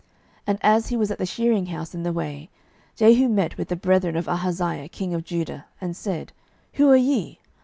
And as he was at the shearing house in the way, 12:010:013 Jehu met with the brethren of Ahaziah king of Judah, and said, Who are ye?